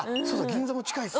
銀座も近いっす。